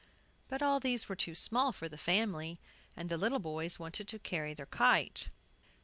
But all these were too small for the family. And the little boys wanted to carry their kite.